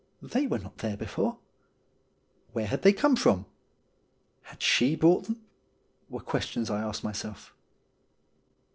They were not there before. Where had they come from ? Had she brought them ? were questions I asked myself.